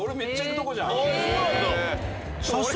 ああそうなんだ。